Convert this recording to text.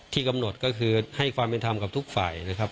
กำหนดก็คือให้ความเป็นธรรมกับทุกฝ่ายนะครับ